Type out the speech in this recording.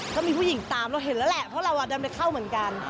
ก็มีผู้หญิงตามเราเห็นแล้วแหละเพราะเราเดินไปเข้าเหมือนกัน